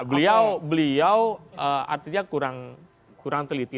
beliau artinya kurang teliti